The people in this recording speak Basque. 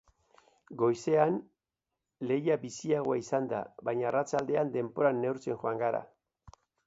Goizean lehia biziagoa izan da, baina arratsaldean denbora neurtzen joan gara.